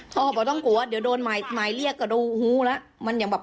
พอพอต้องกลัวเดี๋ยวโดนหมายหมายเรียกกระดูกหูละมันอย่างแบบ